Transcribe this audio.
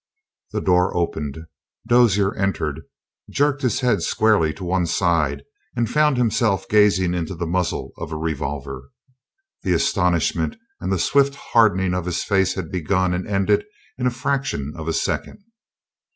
The door opened. Dozier entered, jerked his head squarely to one side, and found himself gazing into the muzzle of a revolver. The astonishment and the swift hardening of his face had begun and ended in a fraction of a second.